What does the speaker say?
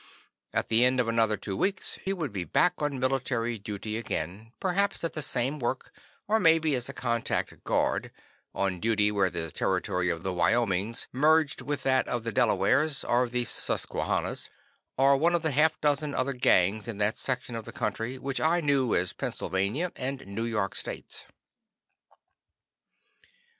At the end of another two weeks, she would be back on military duty again, perhaps at the same work, or maybe as a "contact guard," on duty where the territory of the Wyomings merged with that of the Delawares, or the "Susquannas" (Susquehannas) or one of the half dozen other "gangs" in that section of the country which I knew as Pennsylvania and New York States.